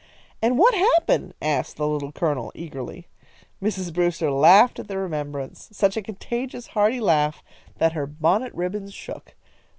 "And what happened?" asked the Little Colonel, eagerly. Mrs. Brewster laughed at the remembrance, such a contagious, hearty laugh, that her bonnet ribbons shook.